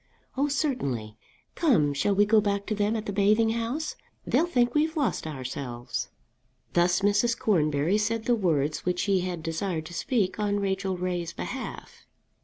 "Oh, certainly. Come; shall we go back to them at the bathing house? They'll think we've lost ourselves." Thus Mrs. Cornbury said the words which she had desired to speak on Rachel Ray's behalf.